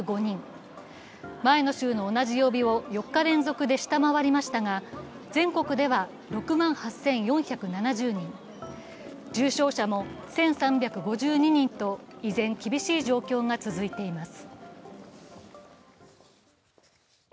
前の週の同じ曜日を４日連続で下回りましたが、全国では６万８４７０人、重症者も１３５２人と、依然厳しい状況が続いています。